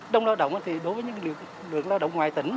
trong lao động thì đối với những lượng lao động ngoài tỉnh